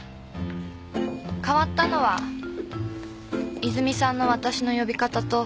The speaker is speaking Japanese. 変わったのは泉さんのわたしの呼び方と